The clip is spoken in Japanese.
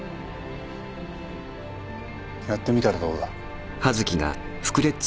やってみたらどうだ。